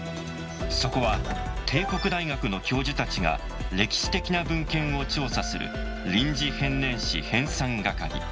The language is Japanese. そこは帝国大学の教授たちが歴史的な文献を調査する臨時編年史編纂掛